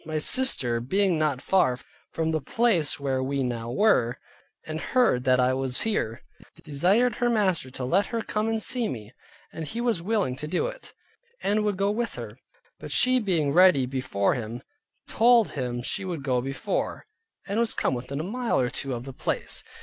My sister being not far from the place where we now were, and hearing that I was here, desired her master to let her come and see me, and he was willing to it, and would go with her; but she being ready before him, told him she would go before, and was come within a mile or two of the place.